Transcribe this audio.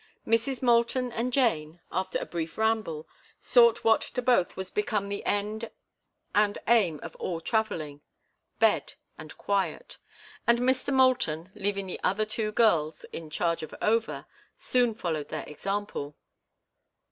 Mrs. Moulton and Jane, after a brief ramble, sought what to both was become the end and aim of all travelling—bed and quiet; and Mr. Moulton, leaving the other two girls in charge of Over, soon followed their example.